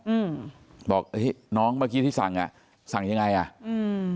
อืมบอกเอ้ยน้องเมื่อกี้ที่สั่งอ่ะสั่งยังไงอ่ะอืม